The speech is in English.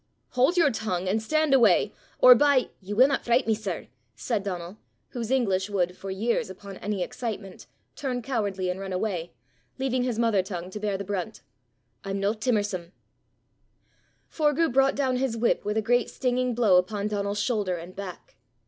"Hold your tongue, and stand away, or, by " "Ye winna fricht me, sir," said Donal, whose English would, for years, upon any excitement, turn cowardly and run away, leaving his mother tongue to bear the brunt, " I'm no timorsome." Forgue brought down his whip with a great stinging blow upon Donal's shoulder and back.